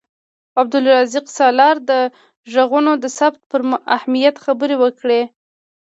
عبدالرزاق سالار د غږونو د ثبت پر اهمیت خبرې وکړې.